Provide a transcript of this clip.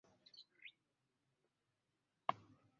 Nnina obukakafu obumala.